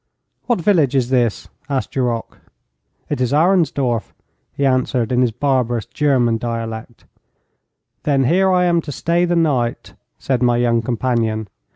'What village is this?' asked Duroc. 'It is Arensdorf,' he answered, in his barbarous German dialect. 'Then here I am to stay the night,' said my young companion.